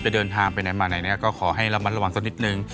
เดินทางไปไหนมาไหนเนี่ยก็ขอให้ระมัดระวังสักนิดนึง